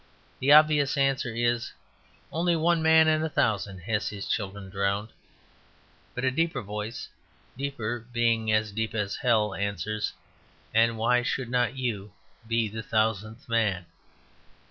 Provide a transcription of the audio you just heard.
The obvious answer is, "Only one man in a thousand has his children drowned." But a deeper voice (deeper, being as deep as hell) answers, "And why should not you be the thousandth man?"